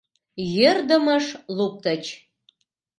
Йӧрдымыш луктыч.